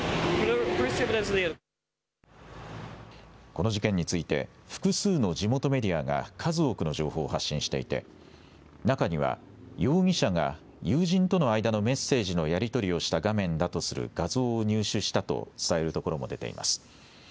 この事件について、複数の地元メディアが、数多くの情報を発信していて、中には、容疑者が友人との間のメッセージのやり取りをした画面だとする画像を入手したと伝えるところも出ています。